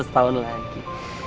seratus tahun lagi